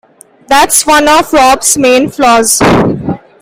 That's one of Rob's main flaws.